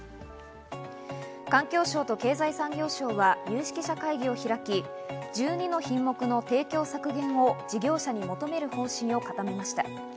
環境省と経済産業省は有識者会議を開き、１２の品目の提供削減を事業者に求める方針を固めました。